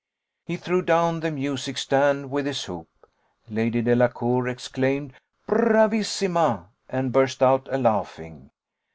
He threw down the music stand with his hoop. Lady Delacour exclaimed "Bravissima!" and burst out a laughing.